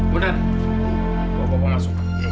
bondan bawa bapak masuk